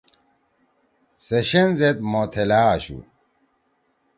سے شین زید موتھلأ آشُو۔